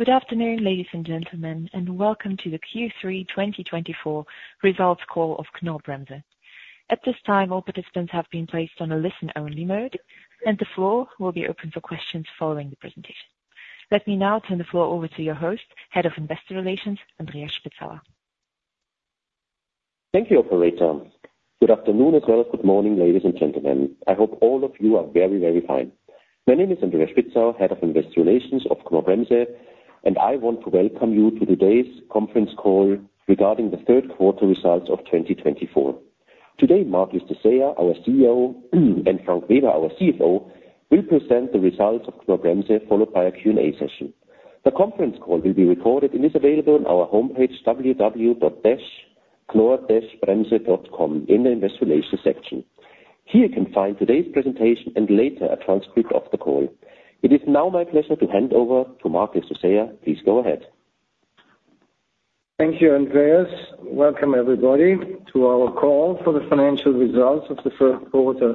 Good afternoon, ladies and gentlemen, and welcome to the Q3 2024 results call of Knorr-Bremse. At this time, all participants have been placed on a listen-only mode, and the floor will be open for questions following the presentation. Let me now turn the floor over to your host, Head of Investor Relations, Andreas Spitzauer. Thank you, Operator. Good afternoon as well as good morning, ladies and gentlemen. I hope all of you are very, very fine. My name is Andreas Spitzauer, Head of Investor Relations of Knorr-Bremse, and I want to welcome you to today's conference call regarding the third quarter results of 2024. Today, Marc Llistosella, our CEO, and Frank Weber, our CFO, will present the results of Knorr-Bremse followed by a Q&A session. The conference call will be recorded and is available on our homepage, www.knorr-bremse.com, in the Investor Relations section. Here you can find today's presentation and later a transcript of the call. It is now my pleasure to hand over to Marc Llistosella. Please go ahead. Thank you, Andreas. Welcome, everybody, to our call for the financial results of the first quarter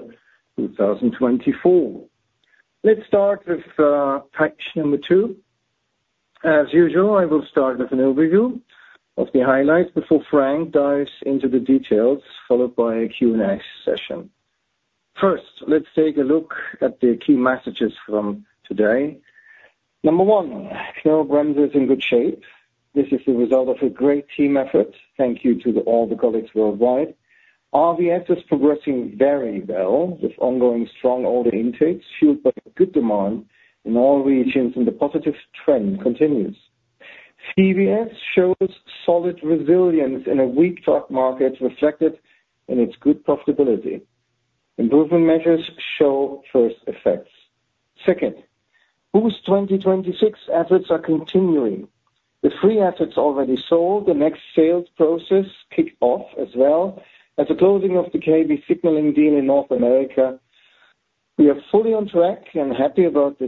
2024. Let's start with page number two. As usual, I will start with an overview of the highlights before Frank dives into the details, followed by a Q&A session. First, let's take a look at the key messages from today. Number one, Knorr-Bremse is in good shape. This is the result of a great team effort. Thank you to all the colleagues worldwide. RVS is progressing very well with ongoing strong order intakes fueled by good demand in all regions, and the positive trend continues. CVS shows solid resilience in a weak stock market reflected in its good profitability. Improvement measures show first effects. Second, Boost 2026 efforts are continuing. The three efforts already sold, the next sales process kicked off as well as the closing of the KB signaling deal in North America. We are fully on track and happy about the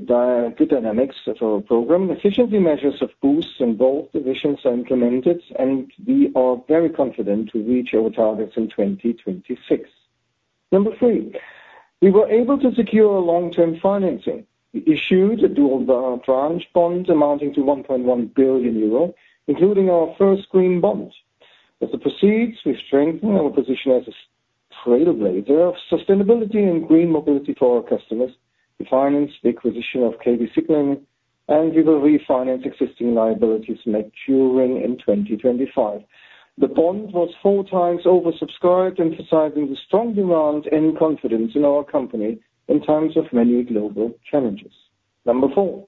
good dynamics of our program. Efficiency measures of Boost and both divisions are implemented, and we are very confident to reach our targets in 2026. Number three, we were able to secure long-term financing. We issued a dual tranche bond amounting to 1.1 billion euro, including our first green bond. With the proceeds, we strengthen our position as a trailblazer of sustainability and green mobility for our customers. We financed the acquisition of KB Signaling, and we will refinance existing liabilities maturing in 2025. The bond was four times oversubscribed, emphasizing the strong demand and confidence in our company in times of many global challenges. Number four,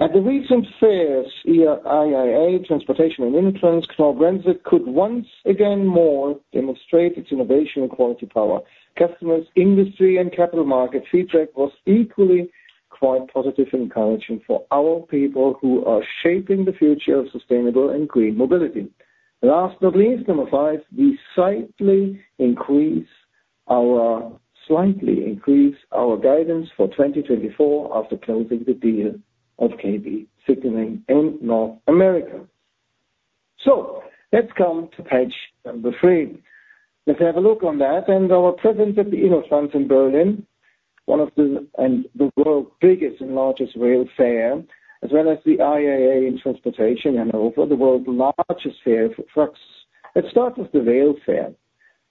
at the recent fairs, IAA Transportation and InnoTrans, Knorr-Bremse could once again more demonstrate its innovation and quality power. Customers, industry, and capital market feedback was equally quite positive and encouraging for our people who are shaping the future of sustainable and green mobility. Last but not least, number five, we slightly increase our guidance for 2024 after closing the deal of KB Signaling in North America. So let's come to page number three. Let's have a look on that and our presence at the InnoTrans in Berlin, one of the world's biggest and largest rail fairs, as well as the IAA Transportation and also the world's largest fair for trucks. Let's start with the rail fair.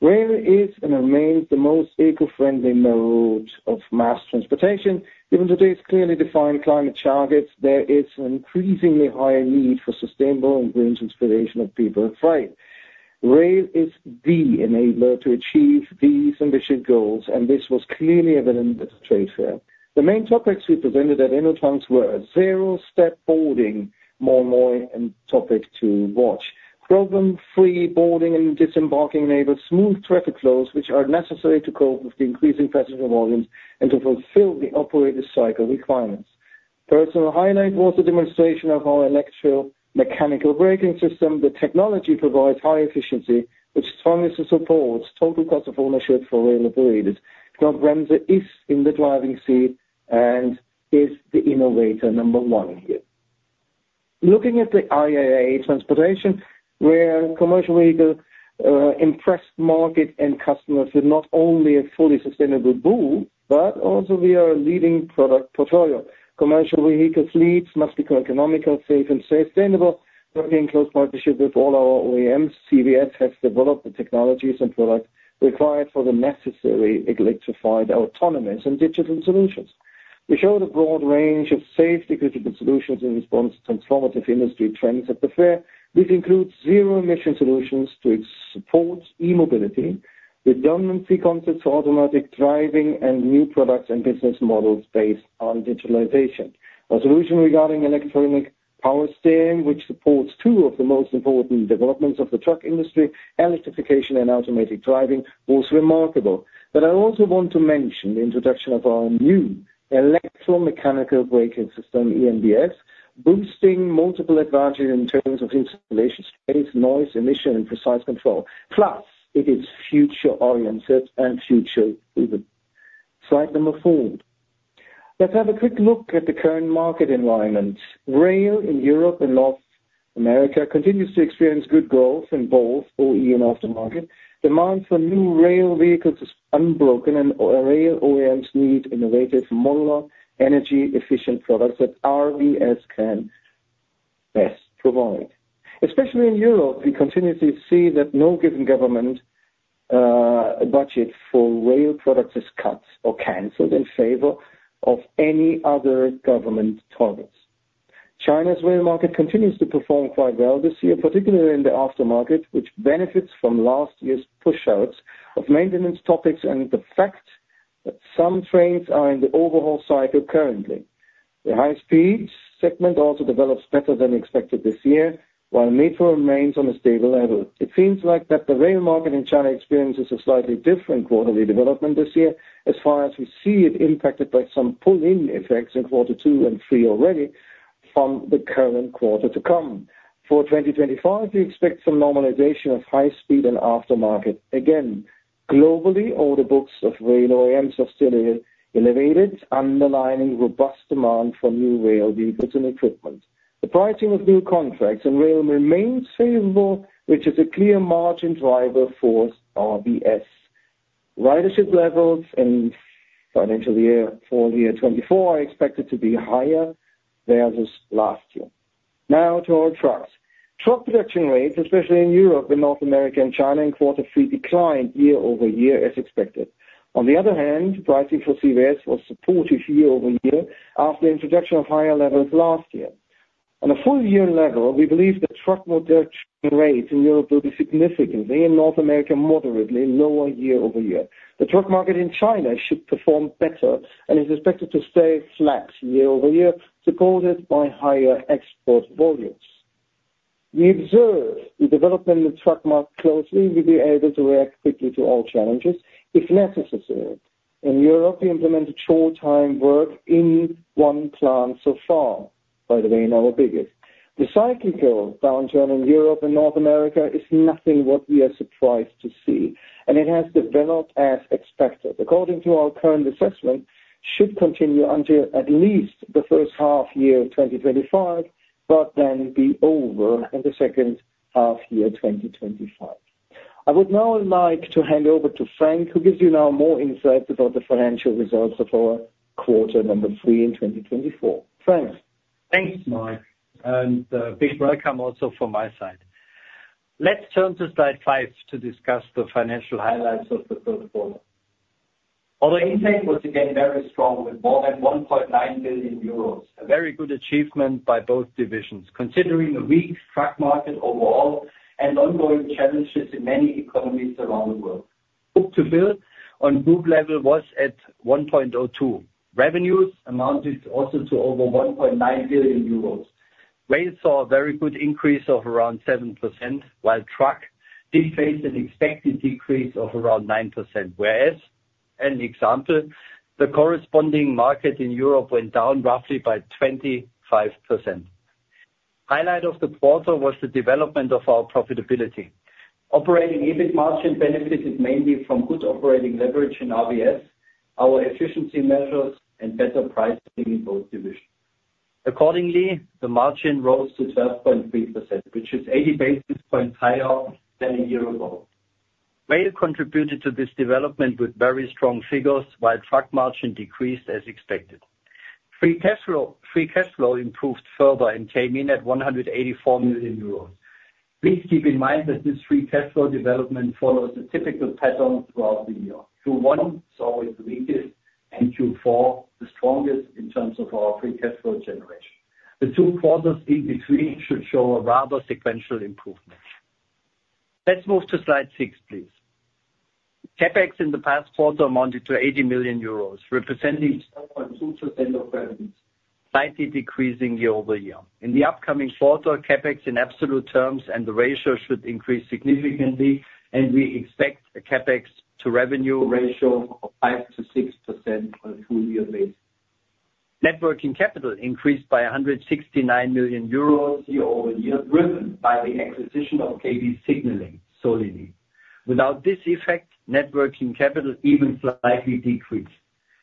Rail is and remains the most eco-friendly mode of mass transportation. Given today's clearly defined climate targets, there is an increasingly higher need for sustainable and green transportation of people and freight. Rail is the enabler to achieve these ambitious goals, and this was clearly evident at the trade fair. The main topics we presented at InnoTrans were zero-step boarding, more and more a topic to watch. Problem-free boarding and disembarking enabled smooth traffic flows, which are necessary to cope with the increasing passenger volumes and to fulfill the operator cycle requirements. Personal highlight was the demonstration of our electromechanical braking system. The technology provides high efficiency, which strongly supports total cost of ownership for rail operators. Knorr-Bremse is in the driving seat and is the innovator number one here. Looking at the IAA Transportation, where commercial vehicles impressed market and customers with not only a fully sustainable booth, but also we are a leading product portfolio. Commercial vehicles leads, must be economical, safe, and sustainable, working in close partnership with all our OEMs. CVS has developed the technologies and products required for the necessary electrified autonomous and digital solutions. We showed a broad range of safety-critical solutions in response to transformative industry trends at the fair, which includes zero-emission solutions to support e-mobility, redundancy concepts for automatic driving, and new products and business models based on digitalization. Our solution regarding electronic power steering, which supports two of the most important developments of the truck industry, electrification and automatic driving, was reMarcable. But I also want to mention the introduction of our new electromechanical braking system, EMBS, boosting multiple advantages in terms of installation space, noise emission, and precise control. Plus, it is future-oriented and future-driven. Slide number four. Let's have a quick look at the current market environment. Rail in Europe and North America continues to experience good growth in both OE and aftermarket. Demand for new rail vehicles is unbroken, and rail OEMs need innovative modular energy-efficient products that RVS can best provide. Especially in Europe, we continuously see that no given government budget for rail products is cut or canceled in favor of any other government targets. China's rail market continues to perform quite well this year, particularly in the aftermarket, which benefits from last year's push-outs of maintenance topics and the fact that some trains are in the overhaul cycle currently. The high-speed segment also develops better than expected this year, while metro remains on a stable level. It seems like that the rail market in China experiences a slightly different quarterly development this year as far as we see it impacted by some pull-in effects in quarter two and three already from the current quarter to come. For 2025, we expect some normalization of high-speed and aftermarket again. Globally, order books of rail OEMs are still elevated, underlining robust demand for new rail vehicles and equipment. The pricing of new contracts in rail remains favorable, which is a clear margin driver for RVS. Ridership levels in financial year FY 24 are expected to be higher than last year. Now to our trucks. Truck production rates, especially in Europe, in North America, and China in quarter three, declined year over year as expected. On the other hand, pricing for CVS was supportive year over year after the introduction of higher levels last year. On a full-year level, we believe that truck production rates in Europe will be significantly and North America moderately lower year over year. The truck market in China should perform better and is expected to stay flat year over year, supported by higher export volumes. We observe the development of the truck market closely. We'll be able to react quickly to all challenges if necessary. In Europe, we implemented short-time work in one plant so far, by the way, in our biggest. The cyclical downturn in Europe and North America is nothing what we are surprised to see, and it has developed as expected. According to our current assessment, it should continue until at least the first half year of 2025, but then be over in the second half year of 2025. I would now like to hand over to Frank, who gives you now more insight about the financial results of our quarter number three in 2024. Frank. Thanks, Marc, and a big welcome also from my side. Let's turn to slide five to discuss the financial highlights of the third quarter. Order intake was again very strong with more than 1.9 billion euros. A very good achievement by both divisions, considering a weak truck market overall and ongoing challenges in many economies around the world. Book-to-bill on group level was at 1.02. Revenues amounted also to over 1.9 billion euros. Rail saw a very good increase of around 7%, while truck did face an expected decrease of around 9%, whereas, as an example, the corresponding market in Europe went down roughly by 25%. Highlight of the quarter was the development of our profitability. Operating EBIT margin benefited mainly from good operating leverage in RVS,Sour efficiency measures, and better pricing in both divisions. Accordingly, the margin rose to 12.3%, which is 80 basis points higher than a year ago. Rail contributed to this development with very strong figures, while truck margin decreased as expected. Free cash flow improved further and came in at €184 million. Please keep in mind that this free cash flow development follows a typical pattern throughout the year. Q1 saw the weakest and Q4 the strongest in terms of our free cash flow generation. The two quarters in between should show a rather sequential improvement. Let's move to slide six, please. CapEx in the past quarter amounted to €80 million, representing 0.2% of revenues, slightly decreasing year over year. In the upcoming quarter, CapEx in absolute terms and the ratio should increase significantly, and we expect a CapEx to revenue ratio of 5%-6% on a two-year basis. Net working capital increased by €169 million year over year, driven by the acquisition of KB Signaling solely. Without this effect, Net working capital even slightly decreased.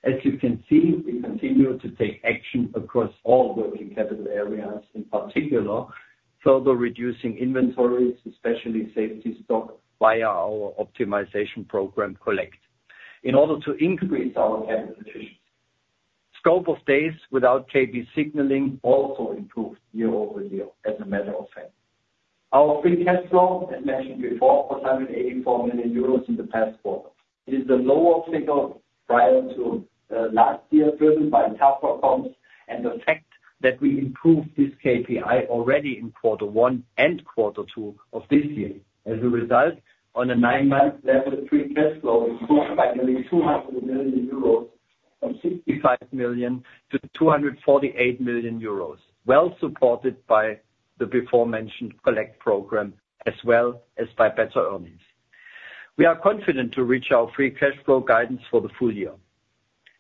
As you can see, we continue to take action across all working capital areas, in particular further reducing inventories, especially safety stock, via our optimization program, Collect, in order to increase our capital efficiency. Scope of days without KB Signaling also improved year over year as a matter of fact. Our free cash flow, as mentioned before, €184 million in the past quarter. It is the lower figure prior to last year, driven by tougher comps and the fact that we improved this KPI already in quarter one and quarter two of this year. As a result, on a nine-month level, free cash flow improved by nearly €200 million from €65 million to €248 million, well supported by the before-mentioned Collect program, as well as by better earnings. We are confident to reach our free cash flow guidance for the full year.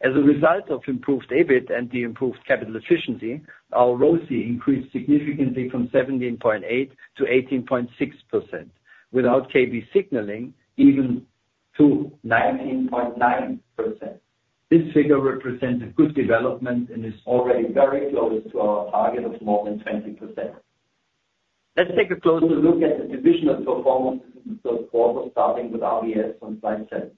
As a result of improved EBIT and the improved capital efficiency, our ROCE increased significantly from 17.8% to 18.6% without KB Signaling, even to 19.9%. This figure represents a good development and is already very close to our target of more than 20%. Let's take a closer look at the divisional performances in the third quarter, starting with RVS on slide seven.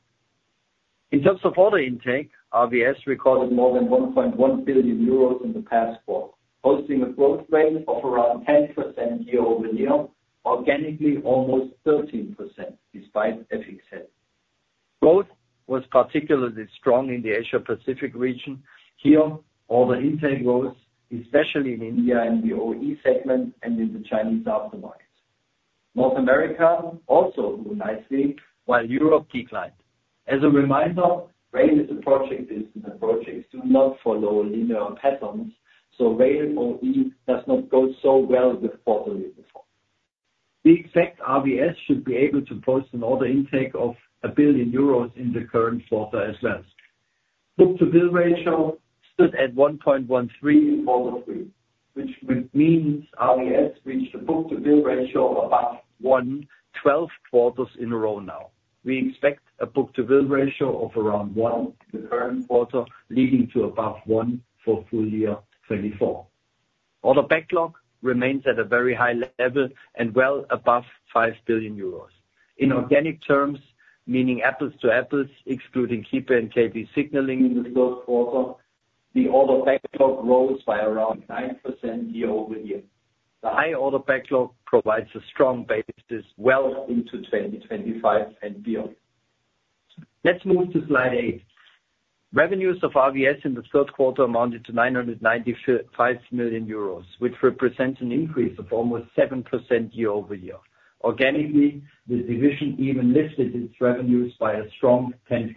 In terms of order intake, RVS recorded more than €1.1 billion in the past quarter, posting a growth rate of around 10% year over year, organically almost 13% despite FX headwind. Growth was particularly strong in the Asia-Pacific region. Here, order intake rose, especially in India and the OE segment and in the Chinese aftermarket. North America also grew nicely, while Europe declined. As a reminder, rail is a project based on approaches. Do not follow linear patterns, so rail OEM does not go so well with quarterly performance. We expect RVS should be able to post an order intake of €1 billion in the current quarter as well. Book-to-bill ratio stood at 1.13 for the three, which means RVS reached a book-to-bill ratio of above one twelve quarters in a row now. We expect a book-to-bill ratio of around one in the current quarter, leading to above one for full year 2024. Order backlog remains at a very high level and well above €5 billion. In organic terms, meaning apples to apples, excluding Kiepe Electric and KB Signaling in the third quarter, the order backlog rose by around 9% year over year. The high order backlog provides a strong basis well into 2025 and beyond. Let's move to slide eight. Revenues of RVS in the third quarter amounted to €995 million, which represents an increase of almost 7% year over year. Organically, the division even lifted its revenues by a strong 10%.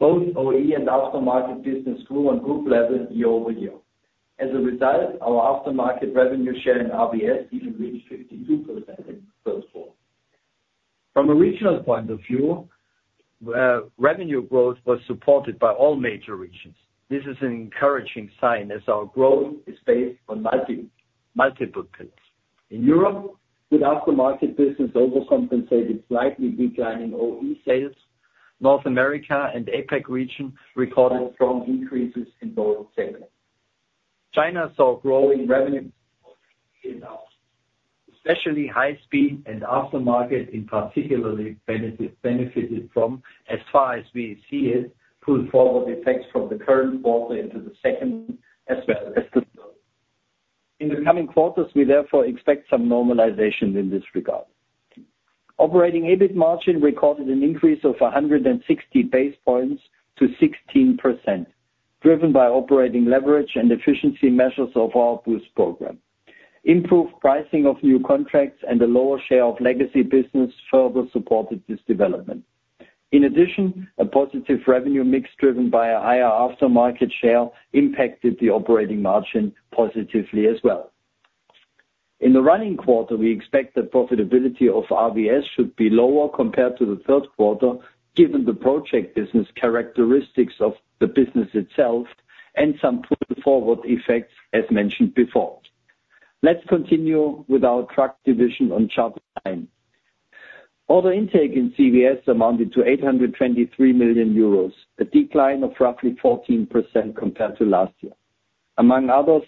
Both OE and aftermarket business grew on group level year over year. As a result, our aftermarket revenue share in RVS even reached 52% in the third quarter. From a regional point of view, revenue growth was supported by all major regions. This is an encouraging sign as our growth is based on multiple pillars. In Europe, good aftermarket business overcompensated slightly declining OE sales. North America and APAC region recorded strong increases in both segments. China saw growing revenue in the second quarter in August. Especially high-speed and aftermarket in particular benefited from, as far as we see it, pull-forward effects from the current quarter into the second as well as the third. In the coming quarters, we therefore expect some normalization in this regard. Operating EBIT margin recorded an increase of 160 basis points to 16%, driven by operating leverage and efficiency measures of our BOOST program. Improved pricing of new contracts and a lower share of legacy business further supported this development. In addition, a positive revenue mix driven by a higher aftermarket share impacted the operating margin positively as well. In the running quarter, we expect that profitability of RVS should be lower compared to the third quarter, given the project business characteristics of the business itself and some pull-forward effects, as mentioned before. Let's continue with our truck division on chart nine. Order intake in CVS amounted to €823 million, a decline of roughly 14% compared to last year, among others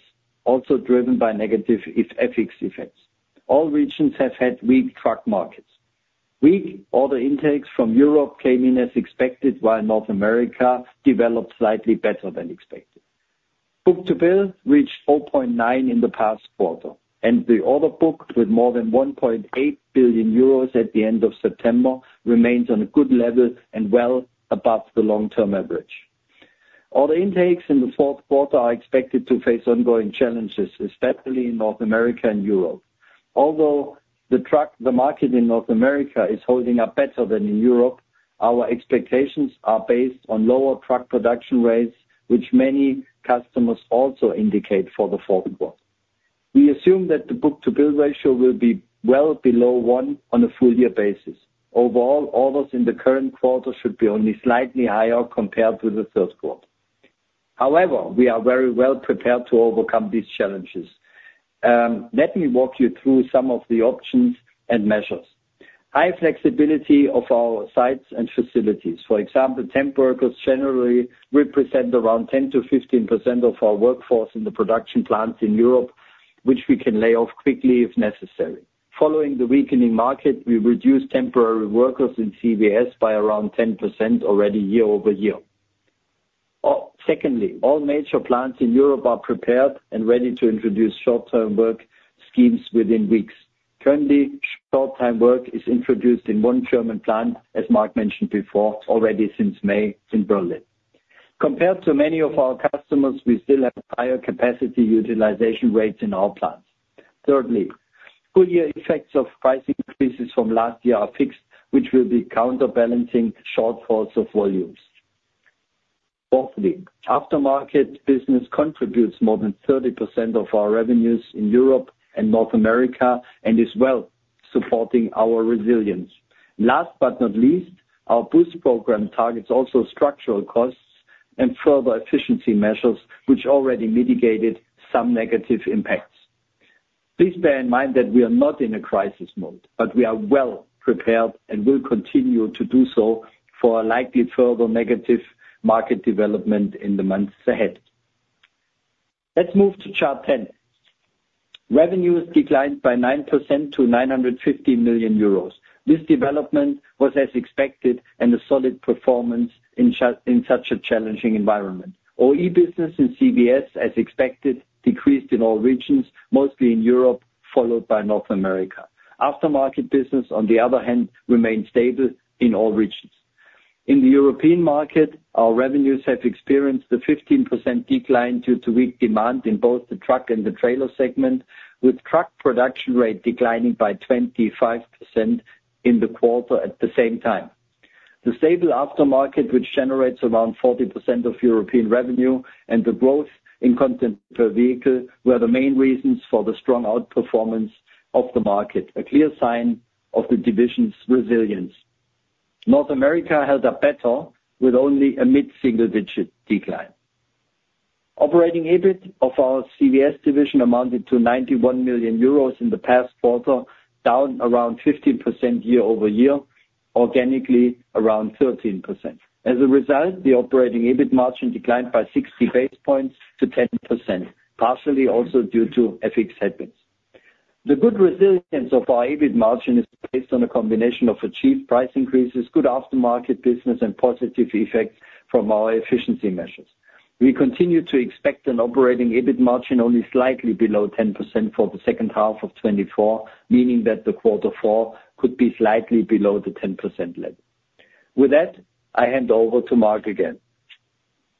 also driven by negative FX effects. All regions have had weak truck markets. Weak order intakes from Europe came in as expected, while North America developed slightly better than expected. Book-to-bill reached 0.9 in the past quarter, and the order book with more than €1.8 billion at the end of September remains on a good level and well above the long-term average. Order intakes in the fourth quarter are expected to face ongoing challenges, especially in North America and Europe. Although the market in North America is holding up better than in Europe, our expectations are based on lower truck production rates, which many customers also indicate for the fourth quarter. We assume that the book-to-bill ratio will be well below one on a full-year basis. Overall, orders in the current quarter should be only slightly higher compared with the third quarter. However, we are very well prepared to overcome these challenges. Let me walk you through some of the options and measures. High flexibility of our sites and facilities. For example, temp workers generally represent around 10%-15% of our workforce in the production plants in Europe, which we can lay off quickly if necessary. Following the weakening market, we reduced temporary workers in CVS by around 10% already year over year. Secondly, all major plants in Europe are prepared and ready to introduce short-time work schemes within weeks. Currently, short-time work is introduced in one German plant, as Marc mentioned before, already since May in Berlin. Compared to many of our customers, we still have higher capacity utilization rates in our plants. Thirdly, full-year effects of price increases from last year are fixed, which will be counterbalancing shortfalls of volumes. Fourthly, aftermarket business contributes more than 30% of our revenues in Europe and North America and is well supporting our resilience. Last but not least, our Boost program targets also structural costs and further efficiency measures, which already mitigated some negative impacts. Please bear in mind that we are not in a crisis mode, but we are well prepared and will continue to do so for a likely further negative market development in the months ahead. Let's move to chart ten. Revenues declined by 9% to 950 million euros. This development was as expected and a solid performance in such a challenging environment. OE business in CVS, as expected, decreased in all regions, mostly in Europe, followed by North America. Aftermarket business, on the other hand, remained stable in all regions. In the European market, our revenues have experienced a 15% decline due to weak demand in both the truck and the trailer segment, with truck production rate declining by 25% in the quarter at the same time. The stable aftermarket, which generates around 40% of European revenue, and the growth in content per vehicle were the main reasons for the strong outperformance of the market, a clear sign of the division's resilience. North America held up better with only a mid-single-digit decline. Operating EBIT of our CVS division amounted to €91 million in the past quarter, down around 15% year over year, organically around 13%. As a result, the operating EBIT margin declined by 60 basis points to 10%, partially also due to FX headwinds. The good resilience of our EBIT margin is based on a combination of achieved price increases, good aftermarket business, and positive effects from our efficiency measures. We continue to expect an operating EBIT margin only slightly below 10% for the second half of 2024, meaning that the quarter four could be slightly below the 10% level. With that, I hand over to Marc again.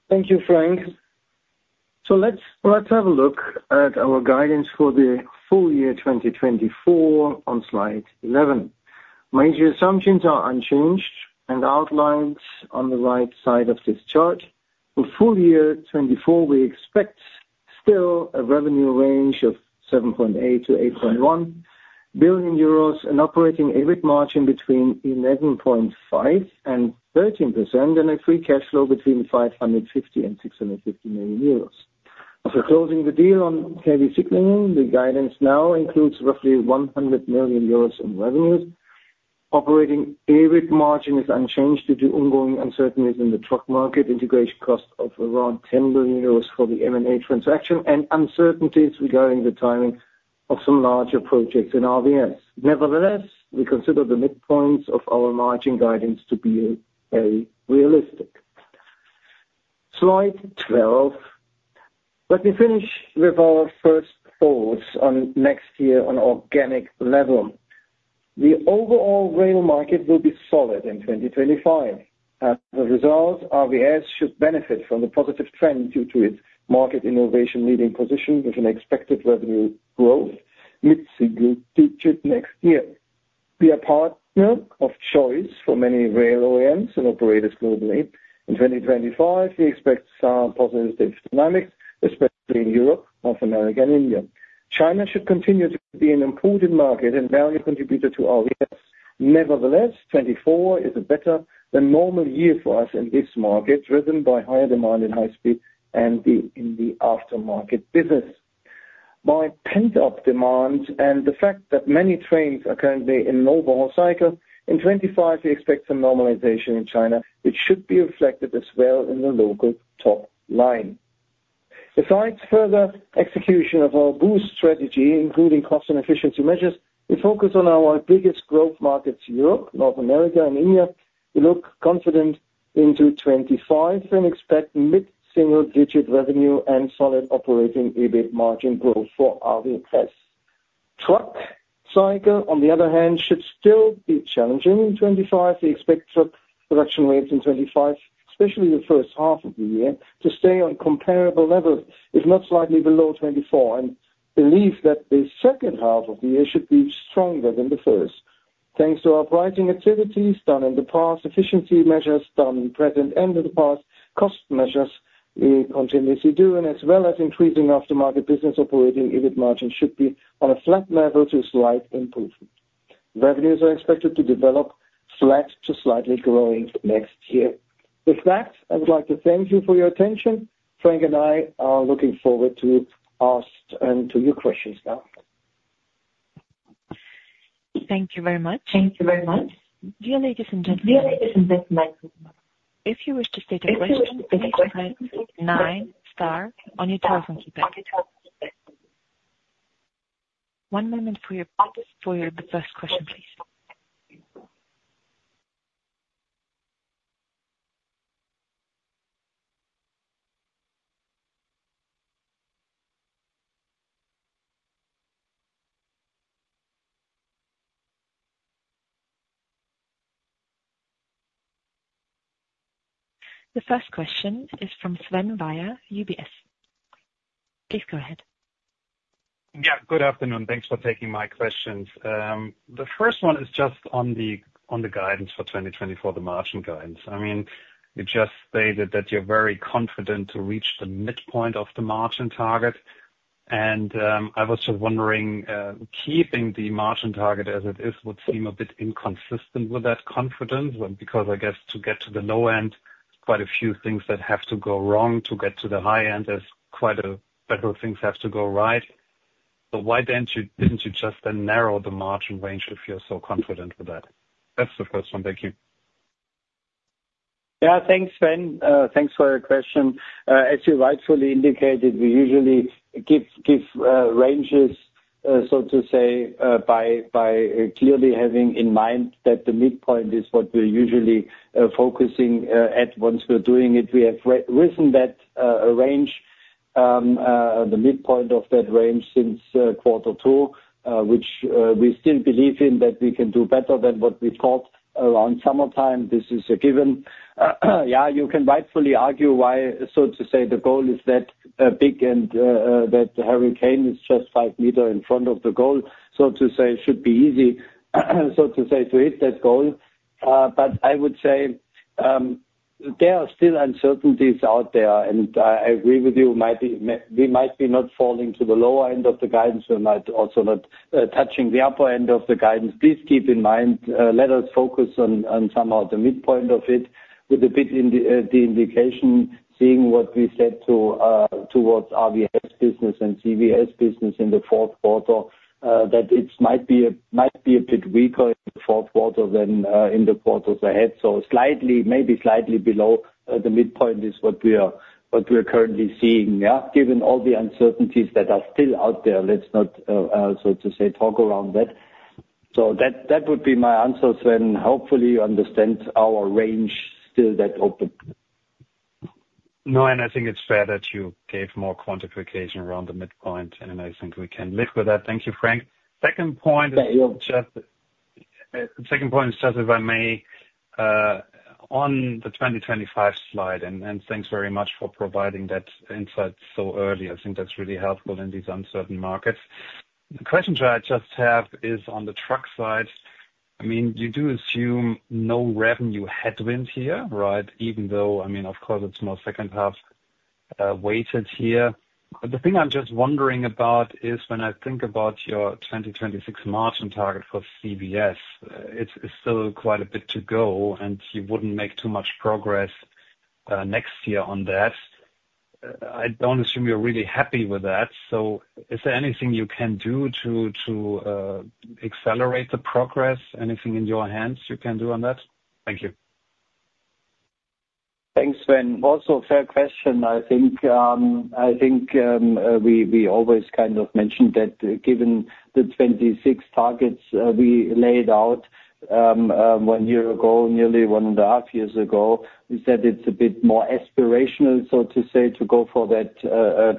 Thank you, Frank. So let's have a look at our guidance for the full year 2024 on slide 11. Major assumptions are unchanged, and outlined on the right side of this chart. For full year 2024, we expect still a revenue range of €7.8-€8.1 billion, an operating EBIT margin between 11.5%-13%, and a free cash flow between €550-€650 million. After closing the deal on KB Signaling, the guidance now includes roughly €100 million in revenues. Operating EBIT margin is unchanged due to ongoing uncertainties in the truck market, integration cost of around €10 million for the M&A transaction, and uncertainties regarding the timing of some larger projects in RVS. Nevertheless, we consider the midpoint of our margin guidance to be very realistic. Slide 12. Let me finish with our first thoughts on next year on an organic level. The overall rail market will be solid in 2025. As a result, RVS should benefit from the positive trend due to its market innovation leading position, with an expected revenue growth mid-single-digit next year. We are a partner of choice for many rail OEMs and operators globally. In 2025, we expect some positive dynamics, especially in Europe, North America, and India. China should continue to be an important market and value contributor to RVS. Nevertheless, 2024 is a better than normal year for us in this market, driven by higher demand in high-speed and in the aftermarket business. By pent-up demand and the fact that many trains are currently in overhaul cycle, in 2025, we expect some normalization in China. It should be reflected as well in the local top line. Besides further execution of our boost strategy, including cost and efficiency measures, we focus on our biggest growth markets, Europe, North America, and India. We look confident into 2025 and expect mid-single-digit revenue and solid operating EBIT margin growth for RVS. Truck cycle, on the other hand, should still be challenging in 2025. We expect truck production rates in 2025, especially the first half of the year, to stay on comparable levels, if not slightly below 2024, and believe that the second half of the year should be stronger than the first. Thanks to our pricing activities done in the past, efficiency measures done at the present end of the past, cost measures we continuously do, and as well as increasing after market business, operating EBIT margin should be on a flat level to slight improvement. Revenues are expected to develop flat to slightly growing next year. With that, I would like to thank you for your attention. Frank and I are looking forward to your questions now. Thank you very much. Thank you very much. Dear ladies and gentlemen. Dear ladies and gentlemen. If you wish to state a question, please type 9 * on your telephone keypad. One moment for your first question, please. The first question is from Sven Weier, UBS. Please go ahead. Yeah, good afternoon. Thanks for taking my questions. The first one is just on the guidance for 2024, the margin guidance. I mean, you just stated that you're very confident to reach the midpoint of the margin target, and I was just wondering, keeping the margin target as it is would seem a bit inconsistent with that confidence, because I guess to get to the low end, quite a few things that have to go wrong to get to the high end, as quite a bit of things have to go right. So why didn't you just then narrow the margin range if you're so confident with that? That's the first one. Thank you. Yeah, thanks, Sven. Thanks for your question. As you rightfully indicated, we usually give ranges, so to say, by clearly having in mind that the midpoint is what we're usually focusing at once we're doing it. We have raised the midpoint of that range since quarter two, which we still believe in that we can do better than what we thought around summertime. This is a given. Yeah, you can rightfully argue why, so to say, the goal is that big and that the hurdle is just five meters in front of the goal, so to say, should be easy, so to say, to hit that goal. But I would say there are still uncertainties out there, and I agree with you. We might be not falling to the lower end of the guidance. We might also not be touching the upper end of the guidance. Please keep in mind, let us focus on somehow the midpoint of it, with a bit in the indication, seeing what we said towards RVS business and CVS business in the fourth quarter, that it might be a bit weaker in the fourth quarter than in the quarters ahead. So slightly, maybe slightly below the midpoint is what we are currently seeing, yeah, given all the uncertainties that are still out there. Let's not, so to say, talk around that. So that would be my answer, Sven. Hopefully, you understand our range still that open. No, and I think it's fair that you gave more quantification around the midpoint, and I think we can live with that. Thank you, Frank. Second point is just, if I may, on the 2025 slide, and thanks very much for providing that insight so early. I think that's really helpful in these uncertain markets. The question I just have is on the truck side. I mean, you do assume no revenue headwinds here, right? Even though, I mean, of course, it's more second half weighted here. But the thing I'm just wondering about is when I think about your 2026 margin target for CVS, it's still quite a bit to go, and you wouldn't make too much progress next year on that. I don't assume you're really happy with that. So is there anything you can do to accelerate the progress? Anything in your hands you can do on that? Thank you. Thanks, Sven. Also, fair question. I think we always kind of mentioned that given the 26 targets we laid out one year ago, nearly one and a half years ago, is that it's a bit more aspirational, so to say, to go for that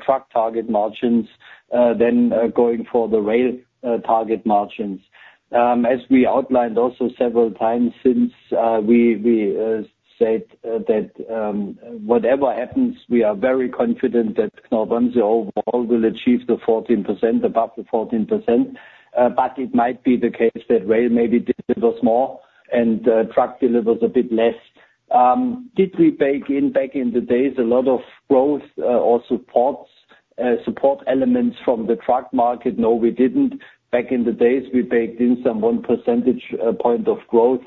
truck target margins than going for the rail target margins. As we outlined also several times since we said that whatever happens, we are very confident that Knorr-Bremse overall will achieve the 14%, above the 14%. But it might be the case that rail maybe delivers more and truck delivers a bit less. Did we bake in back in the days a lot of growth or support elements from the truck market? No, we didn't. Back in the days, we baked in some one percentage point of growth,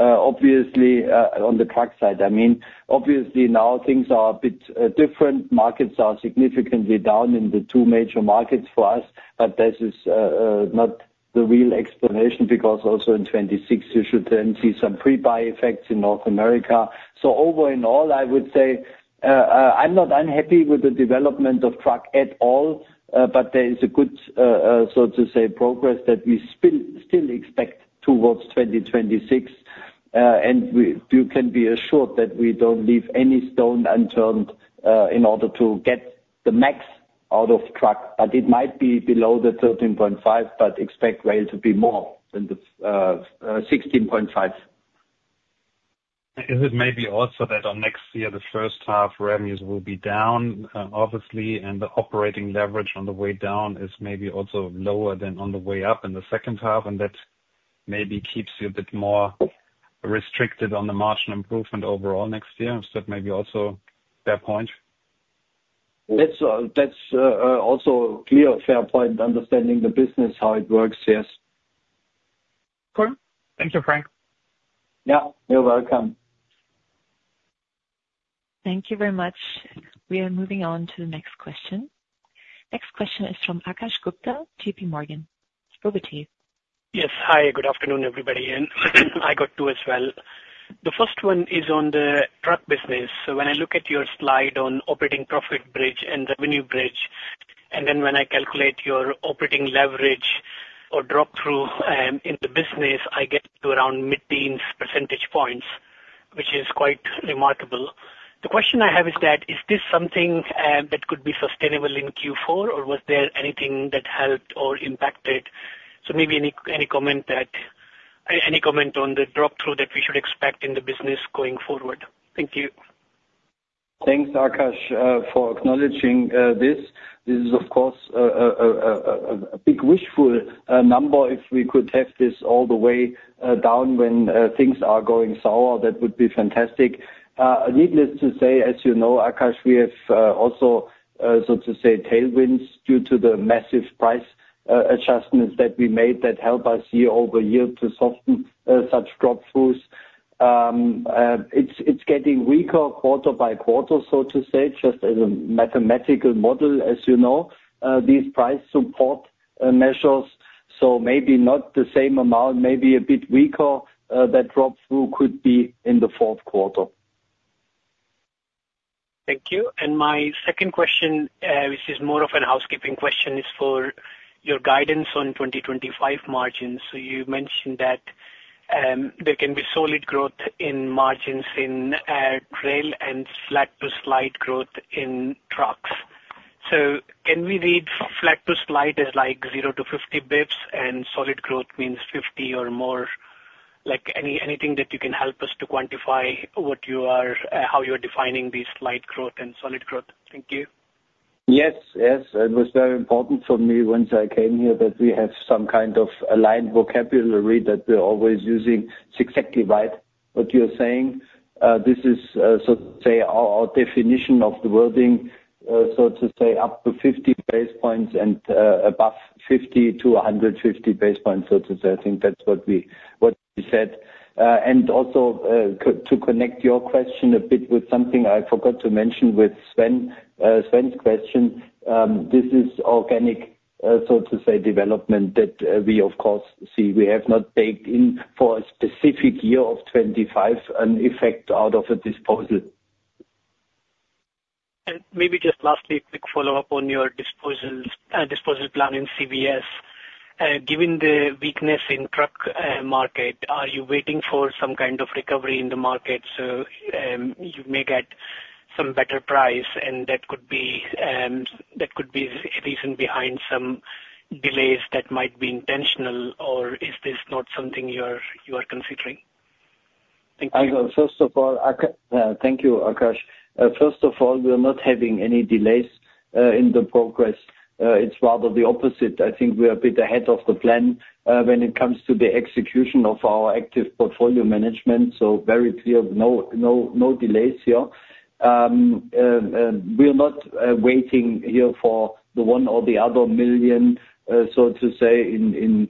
obviously, on the truck side. I mean, obviously, now things are a bit different. markets are significantly down in the two major markets for us, but this is not the real explanation because also in 2026, you should then see some pre-buy effects in North America. So overall, I would say I'm not unhappy with the development of truck at all, but there is a good, so to say, progress that we still expect towards 2026. And you can be assured that we don't leave any stone unturned in order to get the max out of truck. But it might be below the 13.5, but expect rail to be more than the 16.5. Is it maybe also that on next year, the first half revenues will be down, obviously, and the operating leverage on the way down is maybe also lower than on the way up in the second half, and that maybe keeps you a bit more restricted on the margin improvement overall next year? Is that maybe also a fair point? That's also a clear, fair point, understanding the business, how it works. Yes. Cool. Thank you, Frank. Yeah, you're welcome. Thank you very much. We are moving on to the next question. Next question is from Akash Gupta, J.P. Morgan. Over to you. Yes, hi. Good afternoon, everybody. And I got two as well. The first one is on the truck business. So when I look at your slide on operating profit bridge and revenue bridge, and then when I calculate your operating leverage or drop-through in the business, I get to around mid-teens percentage points, which is quite reMarcable. The question I have is that, is this something that could be sustainable in Q4, or was there anything that helped or impacted? So maybe any comment on the drop-through that we should expect in the business going forward. Thank you. Thanks, Akash, for acknowledging this. This is, of course, a big wishful number. If we could have this all the way down when things are going sour, that would be fantastic. Needless to say, as you know, Akash, we have also, so to say, tailwinds due to the massive price adjustments that we made that help us year over year to soften such drop-throughs. It's getting weaker quarter by quarter, so to say, just as a mathematical model, as you know, these price support measures. So maybe not the same amount, maybe a bit weaker. That drop-through could be in the fourth quarter. Thank you. And my second question, which is more of a housekeeping question, is for your guidance on 2025 margins. So you mentioned that there can be solid growth in margins in rail and flat to slight growth in trucks. So can we read flat to slight as like 0 to 50 basis points and solid growth means 50 or more? Anything that you can help us to quantify how you're defining these slight growth and solid growth? Thank you. Yes, yes. It was very important for me once I came here that we have some kind of aligned vocabulary that we're always using. It's exactly right what you're saying. This is, so to say, our definition of the wording, so to say, up to 50 basis points and above 50 to 150 basis points, so to say. I think that's what we said. And also, to connect your question a bit with something I forgot to mention with Sven's question, this is organic, so to say, development that we, of course, see. We have not baked in for a specific year of 2025 an effect out of a disposal. Maybe just lastly, a quick follow-up on your disposal plan in CVS. Given the weakness in the truck market, are you waiting for some kind of recovery in the market so you may get some better price, and that could be a reason behind some delays that might be intentional, or is this not something you are considering? Thank you. First of all, thank you, Akash. First of all, we are not having any delays in the progress. It's rather the opposite. I think we are a bit ahead of the plan when it comes to the execution of our active portfolio management. So very clear, no delays here. We are not waiting here for the one or the other million, so to say, in,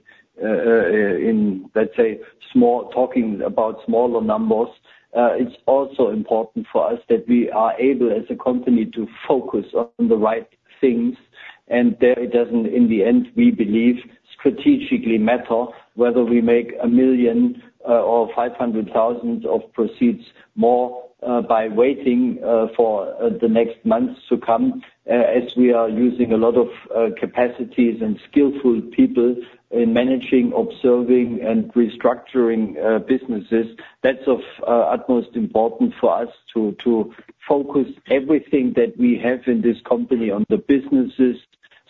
let's say, small talking about smaller numbers. It's also important for us that we are able, as a company, to focus on the right things, and there it doesn't, in the end, we believe, strategically matter whether we make a million or 500,000 of proceeds more by waiting for the next months to come. As we are using a lot of capacities and skillful people in managing, observing, and restructuring businesses, that's of utmost importance for us to focus everything that we have in this company on the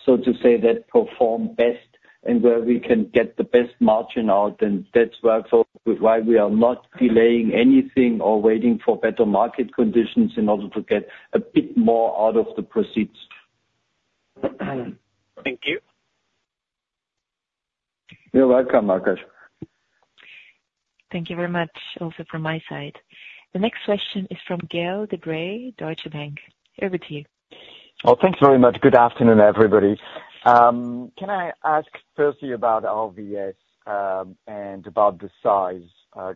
businesses, so to say, that perform best and where we can get the best margin out, and that's why we are not delaying anything or waiting for better market conditions in order to get a bit more out of the proceeds. Thank you. You're welcome, Akash. Thank you very much also from my side. The next question is from Gael de Bray, Deutsche Bank. Over to you. Oh, thanks very much. Good afternoon, everybody. Can I ask firstly about RVS and about the size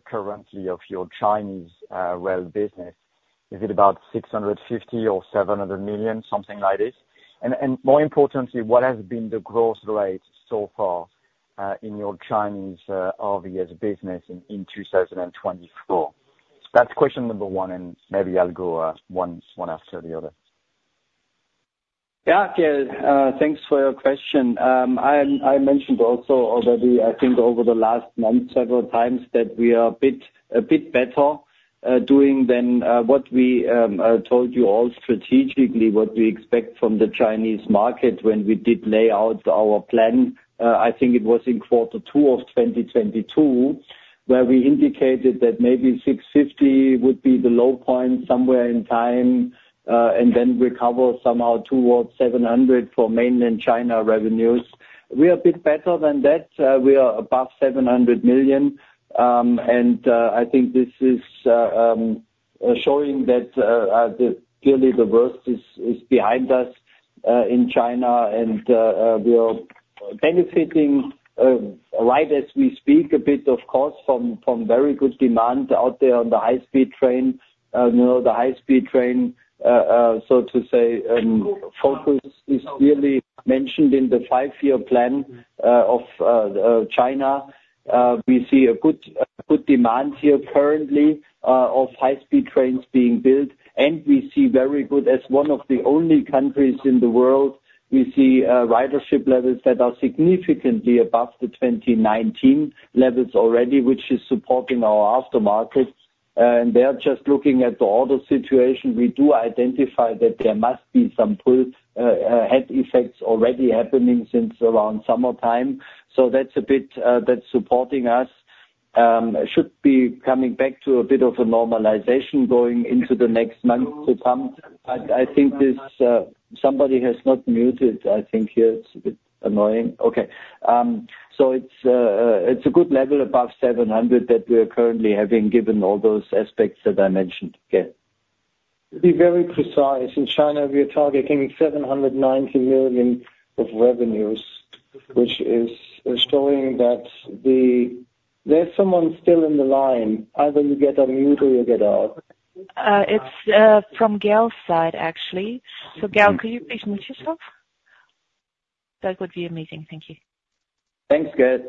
currently of your Chinese rail business? Is it about €650 million or €700 million, something like this? And more importantly, what has been the growth rate so far in your Chinese RVS business in 2024? That's question number one, and maybe I'll go one after the other. Yeah, thanks for your question. I mentioned also already, I think, over the last month, several times that we are a bit better doing than what we told you all strategically, what we expect from the Chinese market when we did lay out our plan. I think it was in quarter two of 2022 where we indicated that maybe €650 would be the low point somewhere in time and then recover somehow towards €700 for mainland China revenues. We are a bit better than that. We are above €700 million. And I think this is showing that clearly the worst is behind us in China, and we are benefiting right as we speak a bit, of course, from very good demand out there on the high-speed train. The high-speed train, so to say, focus is clearly mentioned in the five-year plan of China. We see a good demand here currently of high-speed trains being built. And we see very good, as one of the only countries in the world, we see ridership levels that are significantly above the 2019 levels already, which is supporting our aftermarket. And they are just looking at the order situation. We do identify that there must be some pull-ahead effects already happening since around summertime. So that's a bit that's supporting us. Should be coming back to a bit of a normalization going into the next months to come. But I think somebody has not muted, I think here. It's a bit annoying. Okay. So it's a good level above 700 that we are currently having given all those aspects that I mentioned. Okay. To be very precise, in China, we are targeting 790 million of revenues, which is showing that there's someone still in the line. Either you get unmuted or you get out. It's from Gael's side, actually. So Gael, could you please mute yourself? That would be amazing. Thank you. Thanks, Gael.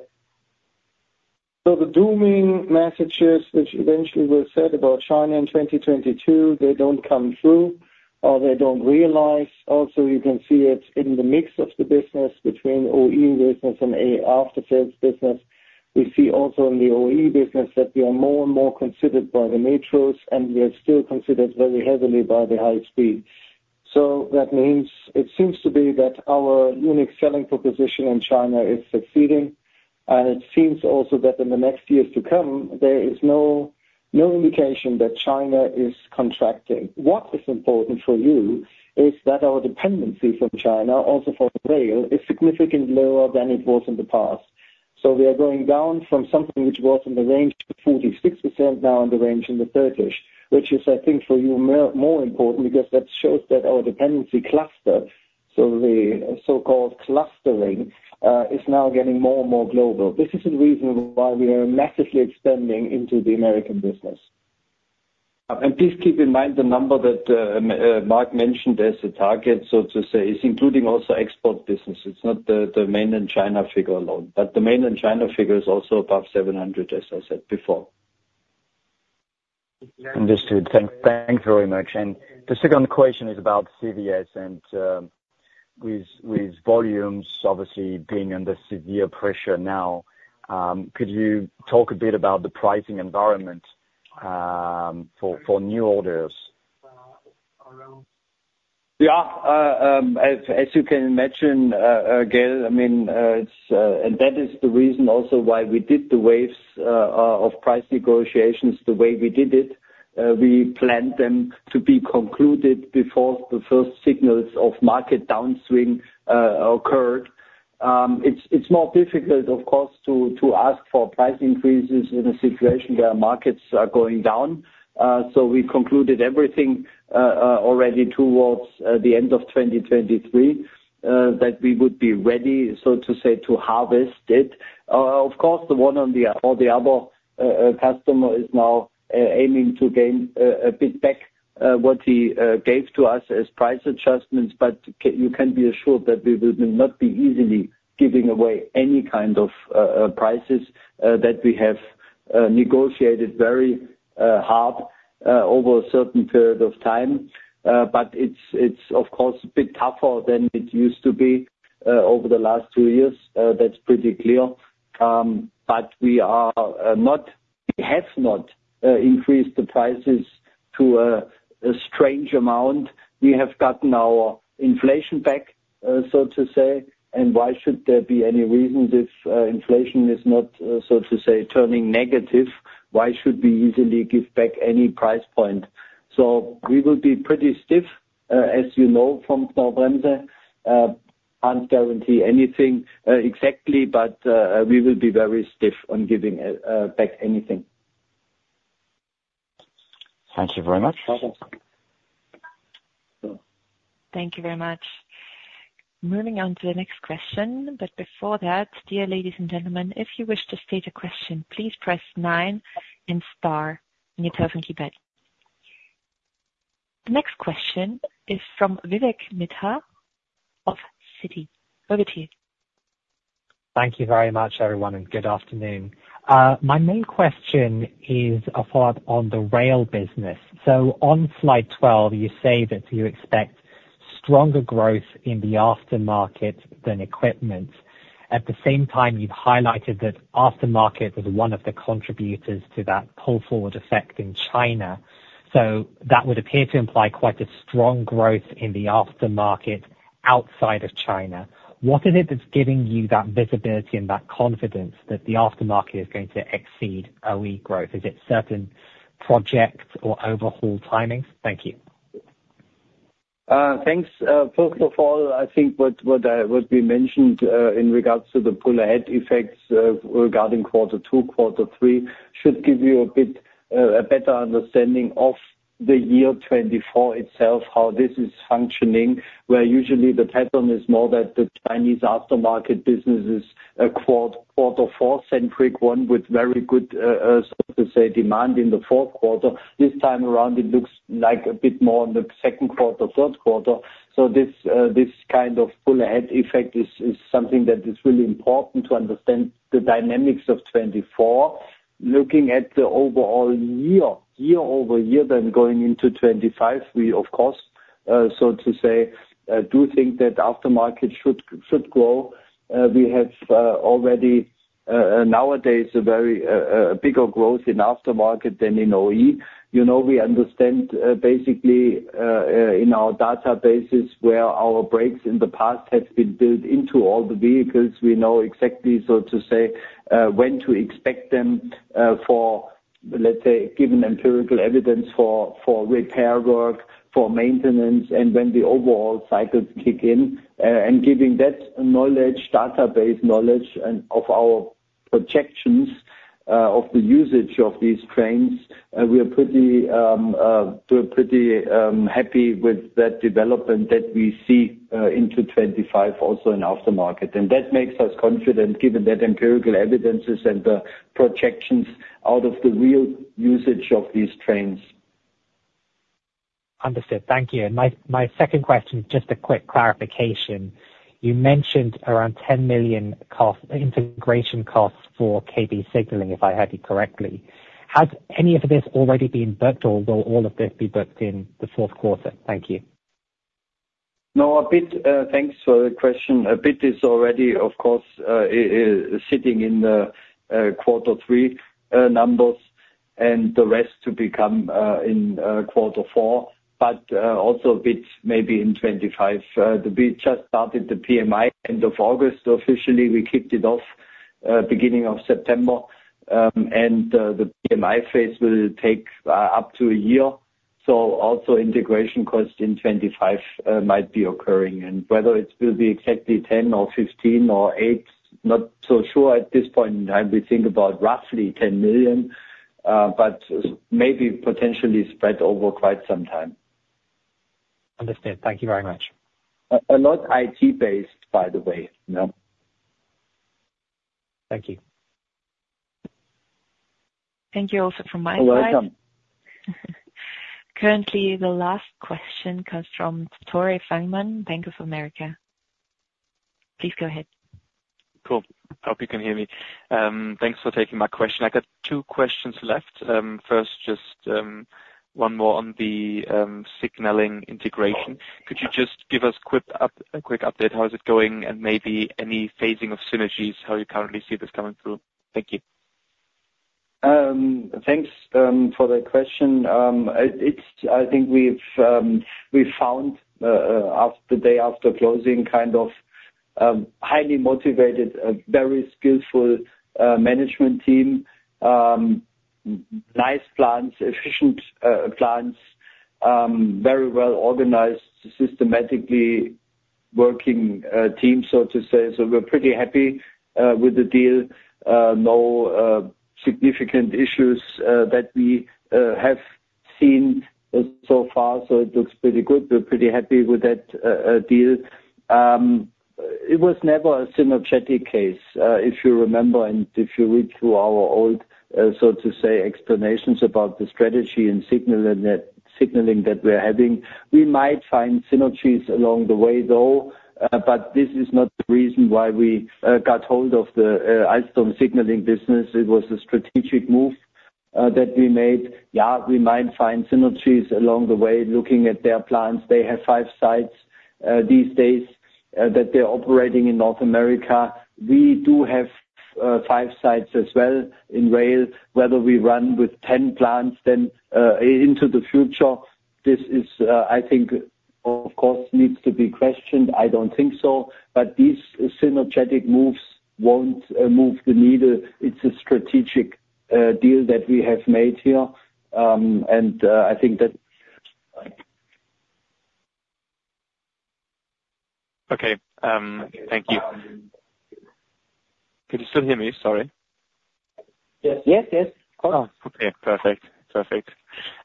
So the doom and gloom messages which eventually were said about China in 2022, they don't come true or they don't materialize. Also, you can see it in the mix of the business between OE business and after-sales business. We see also in the OE business that we are more and more considered by the metros, and we are still considered very heavily by the high-speed. So that means it seems to be that our unique selling proposition in China is succeeding. And it seems also that in the next years to come, there is no indication that China is contracting. What is important for you is that our dependency from China, also from rail, is significantly lower than it was in the past. We are going down from something which was in the range of 46%, now in the range in the 30s, which is, I think, for you more important because that shows that our dependency cluster, so the so-called clustering, is now getting more and more global. This is the reason why we are massively expanding into the American business. And please keep in mind the number that Marc mentioned as a target, so to say, is including also export business. It's not the mainland China figure alone. But the mainland China figure is also above 700, as I said before. Understood. Thanks very much. And the second question is about CVS and with volumes obviously being under severe pressure now, could you talk a bit about the pricing environment for new orders? Yeah. As you can imagine, Gael, I mean, and that is the reason also why we did the waves of price negotiations the way we did it. We planned them to be concluded before the first signals of market downswing occurred. It's more difficult, of course, to ask for price increases in a situation where markets are going down. We concluded everything already towards the end of 2023 that we would be ready, so to say, to harvest it. Of course, the one or the other customer is now aiming to gain a bit back what he gave to us as price adjustments. You can be assured that we will not be easily giving away any kind of prices that we have negotiated very hard over a certain period of time. It's, of course, a bit tougher than it used to be over the last two years. That's pretty clear. But we have not increased the prices to a strange amount. We have gotten our inflation back, so to say. And why should there be any reason if inflation is not, so to say, turning negative? Why should we easily give back any price point? So we will be pretty stiff, as you know, from Knorr-Bremse. Can't guarantee anything exactly, but we will be very stiff on giving back anything. Thank you very much. Thank you very much. Moving on to the next question. But before that, dear ladies and gentlemen, if you wish to state a question, please press 9 and * in your telephone keypad. The next question is from Vivek Midha of Citi. Over to you. Thank you very much, everyone, and good afternoon. My main question is a follow-up on the rail business. So on slide 12, you say that you expect stronger growth in the aftermarket than equipment. At the same time, you've highlighted that aftermarket was one of the contributors to that pull-forward effect in China. So that would appear to imply quite a strong growth in the aftermarket outside of China. What is it that's giving you that visibility and that confidence that the aftermarket is going to exceed OE growth? Is it certain projects or overhaul timings? Thank you. Thanks. First of all, I think what we mentioned in regards to the pull-ahead effects regarding quarter two, quarter three should give you a bit of a better understanding of the year 2024 itself, how this is functioning, where usually the pattern is more that the Chinese aftermarket business is a quarter four-centric one with very good, so to say, demand in the fourth quarter. This time around, it looks like a bit more in the second quarter, third quarter. So this kind of pull-ahead effect is something that is really important to understand the dynamics of 2024. Looking at the overall year-over-year then going into 2025, we, of course, so to say, do think that aftermarket should grow. We have already nowadays a bigger growth in aftermarket than in OE. We understand basically in our databases where our brakes in the past have been built into all the vehicles. We know exactly, so to say, when to expect them for, let's say, given empirical evidence for repair work, for maintenance, and when the overall cycles kick in, and giving that knowledge, database knowledge of our projections of the usage of these trains, we are pretty happy with that development that we see into 2025 also in aftermarket, and that makes us confident given that empirical evidences and the projections out of the real usage of these trains. Understood. Thank you. My second question, just a quick clarification. You mentioned around €10 million integration costs for KB Signaling, if I heard you correctly. Has any of this already been booked or will all of this be booked in the fourth quarter? Thank you. No, a bit. Thanks for the question. A bit is already, of course, sitting in the quarter three numbers and the rest to become in quarter four, but also a bit maybe in 25. We just started the PMI end of August officially. We kicked it off beginning of September. And the PMI phase will take up to a year. So also integration costs in 25 might be occurring. And whether it will be exactly 10 or 15 or eight, not so sure at this point in time. We think about roughly €10 million, but maybe potentially spread over quite some time. Understood. Thank you very much. A lot IT-based, by the way. Thank you. Thank you also from my side. You're welcome. Currently, the last question comes from Tore Fangmann, Bank of America. Please go ahead. Cool. I hope you can hear me. Thanks for taking my question. I got two questions left. First, just one more on the signaling integration. Could you just give us a quick update? How is it going? And maybe any phasing of synergies, how you currently see this coming through? Thank you. Thanks for the question. I think we found the day after closing kind of highly motivated, very skillful management team, nice plans, efficient plans, very well organized, systematically working team, so to say, so we're pretty happy with the deal. No significant issues that we have seen so far, so it looks pretty good. We're pretty happy with that deal. It was never a synergistic case. If you remember and if you read through our old, so to say, explanations about the strategy and signaling that we're having, we might find synergies along the way, though, but this is not the reason why we got hold of the KB Signaling business. It was a strategic move that we made. Yeah, we might find synergies along the way looking at their plans. They have five sites these days that they're operating in North America. We do have five sites as well in rail. Whether we run with 10 plants then into the future, this is, I think, of course, needs to be questioned. I don't think so. But these synergetic moves won't move the needle. It's a strategic deal that we have made here. And I think that. Okay. Thank you. Could you still hear me? Sorry. Yes. Yes, yes. Okay. Perfect. Perfect.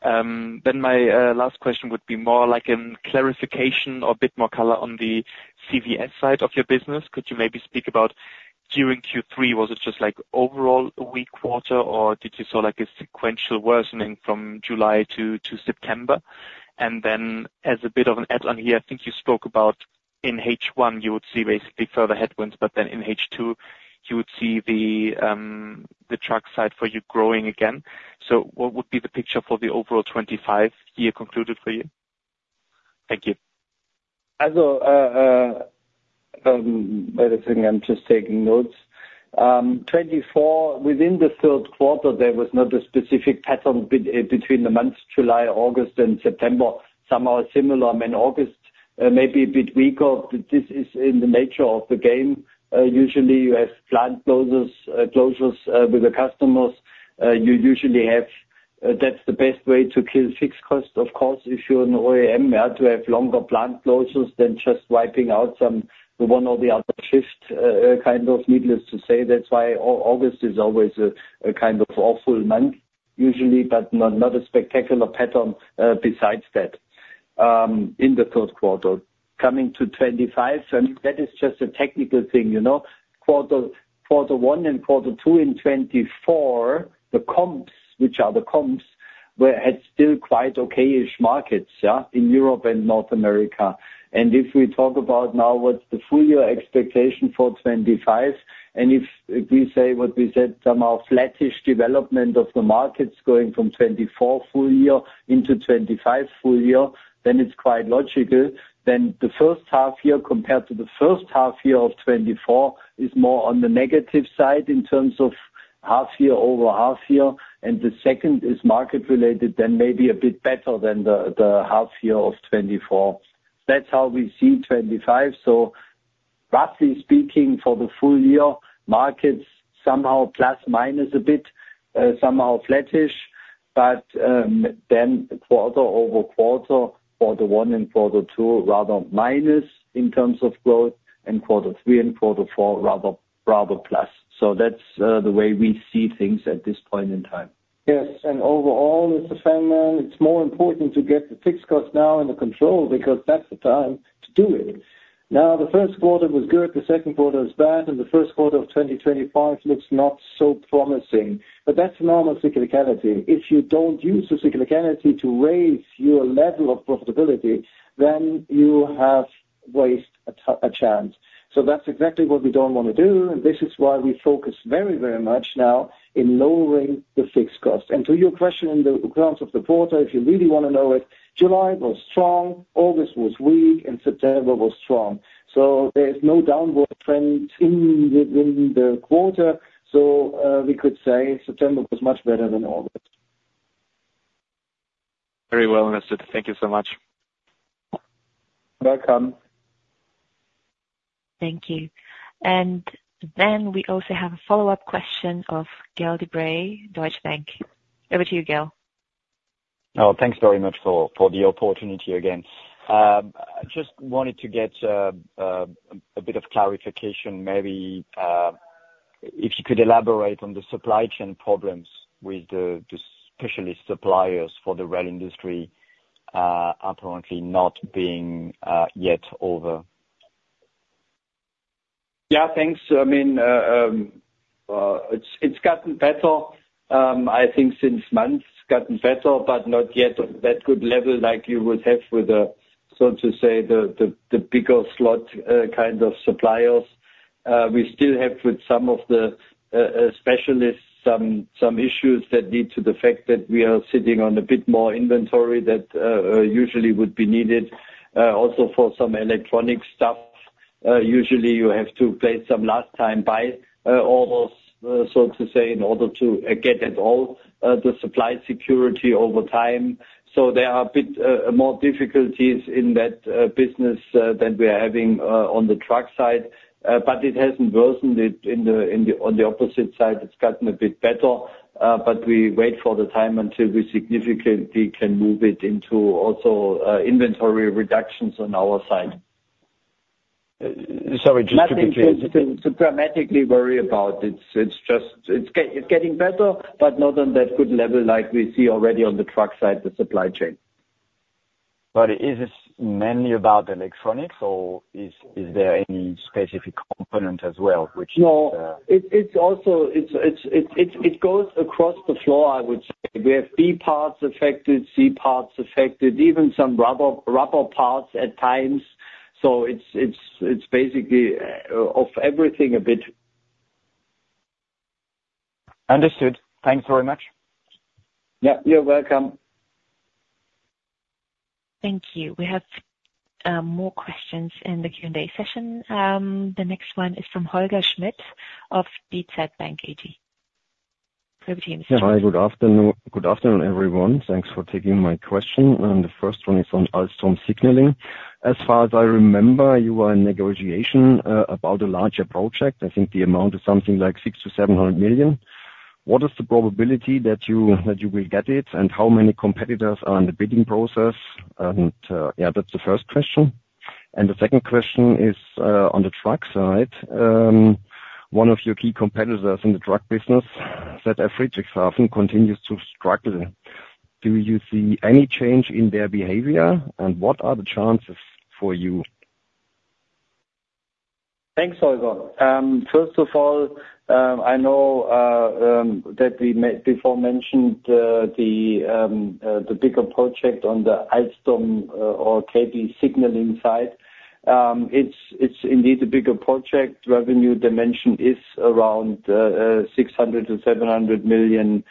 Then my last question would be more like a clarification or a bit more color on the CVS side of your business. Could you maybe speak about during Q3, was it just overall OE quarter, or did you see a sequential worsening from July to September? And then as a bit of an add-on here, I think you spoke about in H1, you would see basically further headwinds, but then in H2, you would see the truck side for you growing again. So what would be the picture for the overall 2025 year concluded for you? Thank you. 2024, within the third quarter, there was not a specific pattern between the months July, August, and September. Somehow similar, I mean, August may be a bit weaker, but this is in the nature of the game. Usually, you have plant closures with the customers. You usually have that's the best way to kill fixed costs, of course, if you're an OEM, to have longer plant closures than just wiping out some one or the other shift kind of needless to say. That's why August is always a kind of awful month usually, but not a spectacular pattern besides that in the third quarter. Coming to 2025, I mean, that is just a technical thing. Quarter one and quarter two in 2024, the comps, which are the comps, were still quite okay-ish markets in Europe and North America. And if we talk about now what's the full year expectation for 2025, and if we say what we said, somehow flattish development of the markets going from 2024 full year into 2025 full year, then it's quite logical. Then the first half year compared to the first half year of 2024 is more on the negative side in terms of half year over half year. And the second is market-related, then maybe a bit better than the half year of 2024. That's how we see 2025. So roughly speaking, for the full year, markets somehow plus minus a bit, somehow flattish. But then quarter over quarter, quarter one and quarter two, rather minus in terms of growth, and quarter three and quarter four, rather plus. So that's the way we see things at this point in time. Yes. And overall, Mr. Fangmann, it's more important to get the fixed costs now under control because that's the time to do it. Now, the first quarter was good, the second quarter was bad, and the first quarter of 2025 looks not so promising. But that's a normal cyclicality. If you don't use the cyclicality to raise your level of profitability, then you have wasted a chance. So that's exactly what we don't want to do. And this is why we focus very, very much now in lowering the fixed costs. And to your question in terms of the quarter, if you really want to know it, July was strong, August was weak, and September was strong. So there's no downward trend in the quarter. So we could say September was much better than August. Very well, Mr. Thank you so much. Welcome. Thank you. And then we also have a follow-up question of Gael de Bray, Deutsche Bank. Over to you, Gael. Oh, thanks very much for the opportunity again. Just wanted to get a bit of clarification. Maybe if you could elaborate on the supply chain problems with the specialist suppliers for the rail industry apparently not being yet over. Yeah, thanks. I mean, it's gotten better, I think, since months, gotten better, but not yet at that good level like you would have with, so to say, the bigger slot kind of suppliers. We still have with some of the specialists some issues that lead to the fact that we are sitting on a bit more inventory that usually would be needed also for some electronic stuff. Usually, you have to place some last-time buy orders, so to say, in order to get at all the supply security over time. So there are a bit more difficulties in that business than we are having on the truck side. But it hasn't worsened on the opposite side. It's gotten a bit better. But we wait for the time until we significantly can move it into also inventory reductions on our side. Sorry, just to be clear. I mean, it's nothing dramatic to worry about. It's getting better, but not on that good level like we see already on the truck side, the supply chain. But is it mainly about electronics, or is there any specific component as well which? No. It's also it goes across the floor, I would say. We have B parts affected, C parts affected, even some rubber parts at times. So it's basically of everything a bit. Understood. Thanks very much. Yeah. You're welcome. Thank you. We have more questions in the Q&A session. The next one is from Holger Schmidt of DZ Bank. Over to you, Mr. Schmidt. Hi, good afternoon, everyone. Thanks for taking my question, and the first one is on KB Signaling. As far as I remember, you were in negotiation about a larger project. I think the amount is something like $600-$700 million. What is the probability that you will get it, and how many competitors are in the bidding process? Yeah, that's the first question, and the second question is on the truck side. One of your key competitors in the truck business, ZF Friedrichshafen, continues to struggle. Do you see any change in their behavior, and what are the chances for you? Thanks, Holger. First of all, I know that we before mentioned the bigger project on the Alstom or KB Signaling side. It's indeed a bigger project. Revenue dimension is around $600 million-$700 million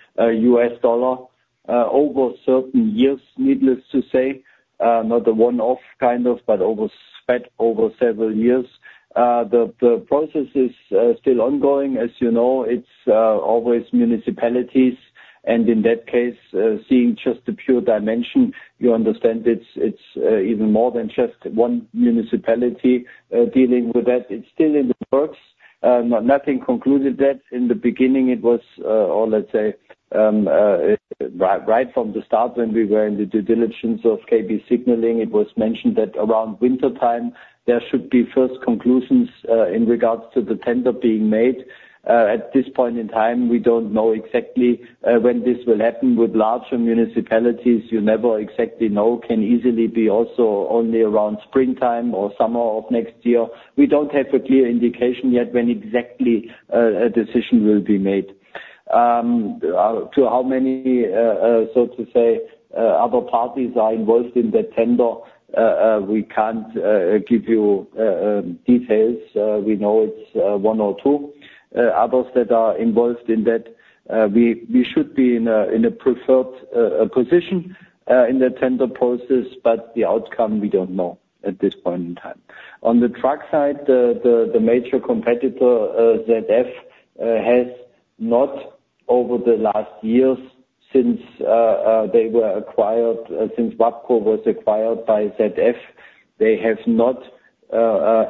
over certain years, needless to say. Not a one-off kind of, but spread over several years. The process is still ongoing. As you know, it's always municipalities, and in that case, seeing just the pure dimension, you understand it's even more than just one municipality dealing with that. It's still in the works. Nothing concluded that. In the beginning, it was, or let's say, right from the start when we were in the due diligence of KB Signaling, it was mentioned that around wintertime, there should be first conclusions in regards to the tender being made. At this point in time, we don't know exactly when this will happen with larger municipalities. You never exactly know. It can easily be also only around springtime or summer of next year. We don't have a clear indication yet when exactly a decision will be made. To how many, so to say, other parties are involved in that tender, we can't give you details. We know it's one or two. Others that are involved in that, we should be in a preferred position in the tender process, but the outcome, we don't know at this point in time. On the truck side, the major competitor, ZF, has not over the last years since they were acquired, since WABCO was acquired by ZF, they have not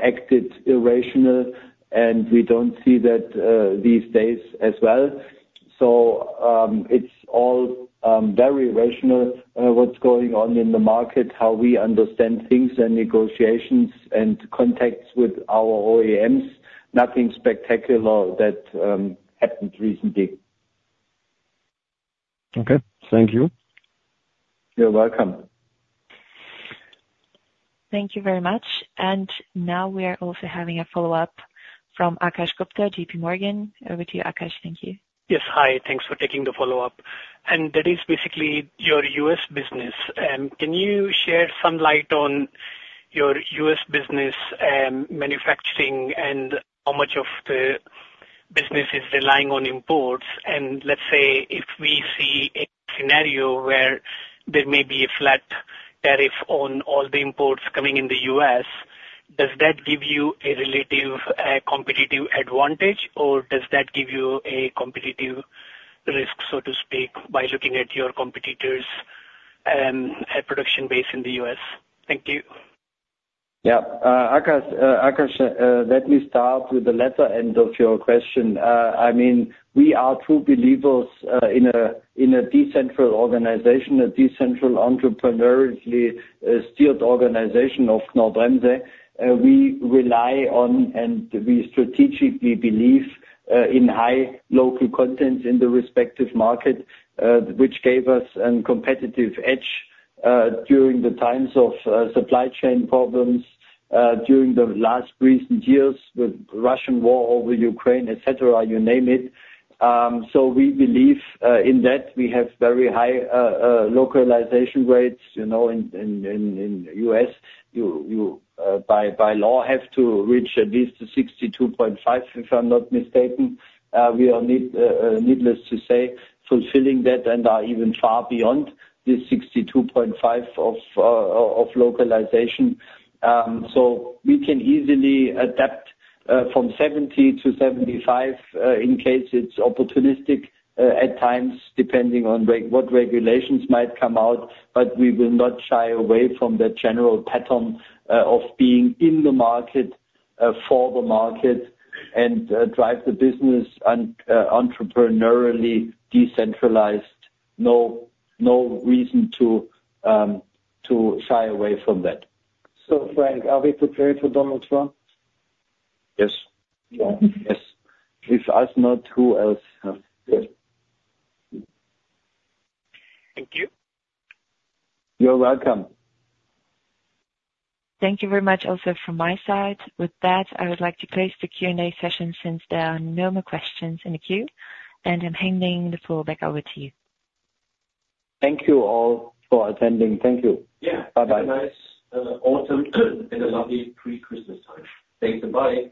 acted irrational, and we don't see that these days as well. So it's all very rational what's going on in the market, how we understand things and negotiations and contacts with our OEMs. Nothing spectacular that happened recently. Okay. Thank you. You're welcome. Thank you very much. And now we are also having a follow-up from Akash Gupta, J.P. Morgan. Over to you, Akash. Thank you. Yes. Hi. Thanks for taking the follow-up. And that is basically your U.S. business. Can you shed some light on your U.S. business manufacturing and how much of the business is relying on imports? And let's say if we see a scenario where there may be a flat tariff on all the imports coming in the U.S., does that give you a relative competitive advantage, or does that give you a competitive risk, so to speak, by looking at your competitors' production base in the U.S.? Thank you. Yeah. Akash, let me start with the latter end of your question. I mean, we are true believers in a decentralized organization, a decentralized entrepreneurially steered organization of Knorr-Bremse. We rely on, and we strategically believe in high local content in the respective market, which gave us a competitive edge during the times of supply chain problems, during the last recent years with Russian war over Ukraine, etc., you name it. So we believe in that. We have very high localization rates in the U.S. You, by law, have to reach at least 62.5%, if I'm not mistaken. We are needless to say, fulfilling that and are even far beyond this 62.5% of localization. So we can easily adapt from 70% to 75% in case it's opportunistic at times, depending on what regulations might come out. But we will not shy away from the general pattern of being in the market for the market and drive the business entrepreneurially decentralized. No reason to shy away from that. So, Frank, are we prepared for Donald Trump? Yes. Yes. If not us, who else? Thank you. You're welcome. Thank you very much also from my side. With that, I would like to close the Q&A session since there are no more questions in the queue. And I'm handing the floor back over to you. Thank you all for attending. Thank you. Bye-bye. Have a nice autumn and a lovely pre-Christmas time. Thanks a bunch.